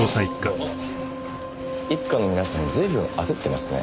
１課の皆さん随分焦ってますね。